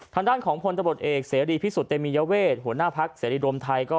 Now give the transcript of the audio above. ทางด้านของผลตำรวจเอกเสรีพิสุตเตมีญเวศหัวหน้าภักรณ์เสรีรมไทย